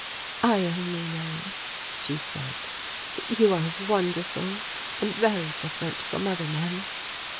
"I only know," she said, "that you are wonderful, and very different from other men."